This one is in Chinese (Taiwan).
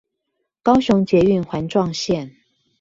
高雄捷運環狀線